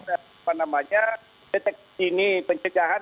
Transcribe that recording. apa namanya deteksi dini pencegahan